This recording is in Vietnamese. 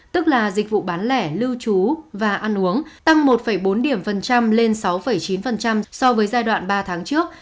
tức là dịch vụ bán lẻ lưu trú và ăn uống tăng một bốn lên sáu chín so với giai đoạn ba tháng trước